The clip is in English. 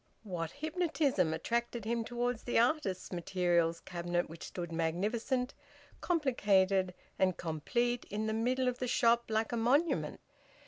What hypnotism attracted him towards the artists' materials cabinet which stood magnificent, complicated, and complete in the middle of the shop, like a monument?